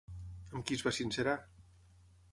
Amb qui es va sincerar?